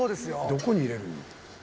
どこに入れるの？